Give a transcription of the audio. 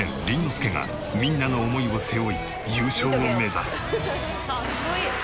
亮がみんなの思いを背負い優勝を目指す。